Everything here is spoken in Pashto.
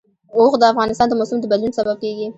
اوښ د افغانستان د موسم د بدلون سبب کېږي.